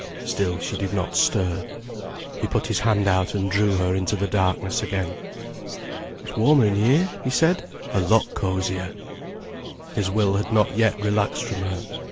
Still she did not stir. He put his hand out and drew her into the darkness again. "It's warmer in here," he said; "a lot cosier." His will had not yet relaxed from her.